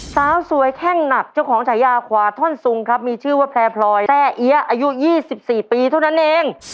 สาวสวยแข้งหนักเจ้าของฉายาขวาท่อนซุงครับมีชื่อว่าแพร่พลอยแต้เอี๊ยะอายุ๒๔ปีเท่านั้นเอง